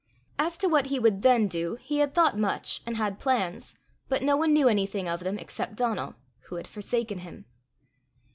As to what he would then do, he had thought much, and had plans, but no one knew anything of them except Donal who had forsaken him.